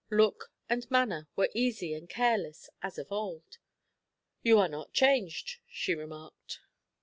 Look and manner were easy and careless as of old. "You are not changed," she remarked.